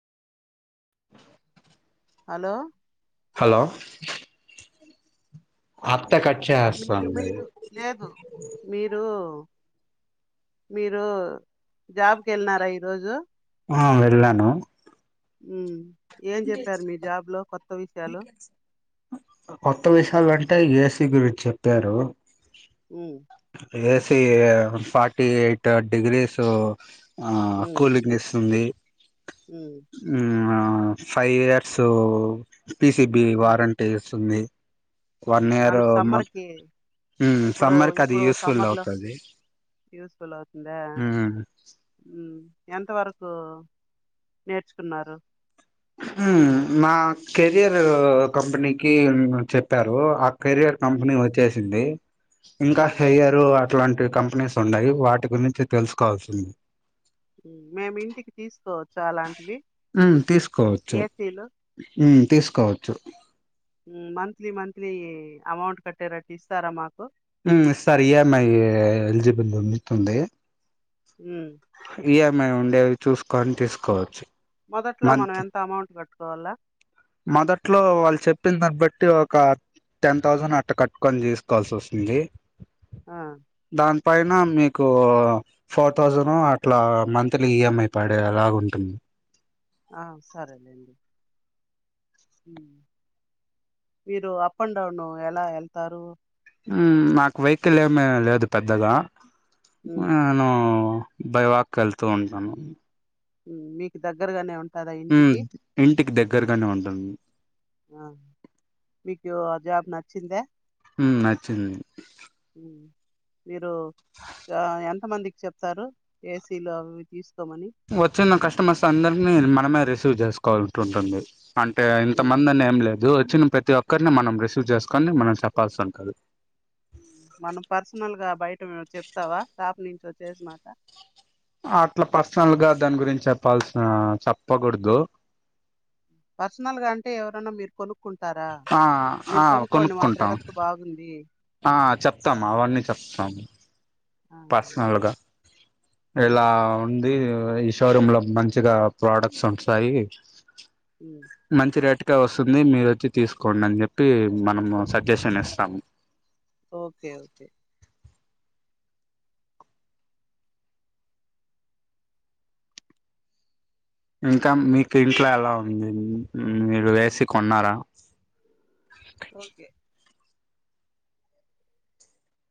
Hello hello అల్ [unintelligible] లేదు మీరు మీరు జాబ్ కి ఎళ్నారా ఈరోజు ఆ వెళ్ళాను ఉమ్ ఏం చెప్పారు మీ జాబ్ లో కొత్త విషయాలు కొత్త విషయాలు అంటే ఏసీ గురించి చెప్పారు ఉమ్, ఏసీ ఫార్టీ ఎయిట్ డిగ్రీసు ఆ ఉమ్, కూల్ంగ్ ఇస్తుంది ఉమ్ మ్ ఆ ఫైవ్ ఇయర్స్ పిసిబి ఉమ్, వారంటీ ఇస్తుంది వన్ ఇయర్ మనకు మొ సమ్మర్కి మ్ ఇప్పుడు సమ్మర్ కి అది ఇప్పుడు యూస్ఫుల్ సమ్మర్లో అవుతది యూస్ ఫుల్ అవుతుందా మ్ ఎంతవరకు నేర్చుకున్నారు నా కెరియర్ కంపెనీకి చెప్పారు కెరియర్ ఉమ్, కంపెనీ వచ్చేసింది ఇంకా ఉమ్, హెరియరు అట్లాంటి కంపెనీస్ ఉన్నాయి వాటి గురించి తెలుసుకోవాల్సింది మేమింటికి తీసుకపోత ఉ తీసుకోవచ్చు ఏసీలు ఉ తీసుకోవచ్చు మంత్లీ మంత్లీ అమౌంట్ కట్టేరట్టు ఇస్తారా మాకు ఇస్తార్ ఈఎంఐ ఎలిజిబుల్టీ ఉన్నట్టు ఉంది ఉమ్ మేము ఉండేవి చూసుకొని తీసుకోవచ్చు మొదట్లో మనం మంత్ ఎంత అమౌంట్ కట్టుకోవాలా మొదట్లో వాళ్ళు చెప్పిన దాన్ని బట్టి ఒక టెన్ థౌసండ్ అట్ట కట్టుకొని తీసుకోవాల్సి వస్తుంది ఆ దాని పైన మీకు ఫోర్ థౌజండ్ అట్లా మంత్లీ ఈఎంఐ పడే అలాగు ఉంటుంది ఆ సరేలేండి మీరు అప్ అండ్ డౌన్ ఎలా వెళ్తారు నాకు వెహికల్ ఏమీ లేదు పెద్దగా ఉమ్, నేను భైవాక్ వెళ్తూ ఉంటాను ఉమ్, మీకు దగ్గరగానే ఉంటుందా ఉమ్ ఇంటికి ఇంటికి దగ్గరగానే ఉంటుంది ఆ మీకు ఆ జాబ్ నచ్చిందా ఉమ్ నచ్చింది ఉమ్, మీరు చ ఎంతమందికి చెప్తారు ఏసీలు అవి తీసుకు వచ్చిన కస్టమర్స్ అందరినీ మనమే రిసీవ్ చేసుకోవాలంటుంటుంది అంటే ఇంత ఉమ్. మందిని ఏం లేదు వచ్చిన ప్రతి ఒక్కరిని మనం రిసీవ్ చేసుకొని మనం చెప్పాల్సి ఉంటది మనం పర్సనల్ గా బయట మేము చెప్తావా స్టాప్ నుంచి వచ్చేసినక అట్లా పర్సనల్ గా దాని గురించి చెప్పాల్సిన చెప్పకూడదు పర్సనల్ గా అంటే ఎవరన్నా మీరు కొను కుంటారా ఆ మీరు ఆ కొనుక్కోండి మా కొనుక్కుంటాం ప్రోడక్ట్ బాగుంది ఆ చెప్తాము అవన్నీ చెప్తాము ఆ, ఓకే పర్సనల్గా ఉమ్, ఇలా ఉంది ఈ షోరూమ్ లో మంచిగా ప్రోడక్ట్స్ ఉంటాయి ఉమ్, మంచి రేట్ వస్తుంది మీరు వచ్చి తీసుకోండి అని చెప్పి మనము సజెషన్ ఇస్తాము ఓకే ఓకే ఇంకా మీకు ఇంట్లో ఎలా ఉంది మీరు ఏ సి కొన్నారా ఓకే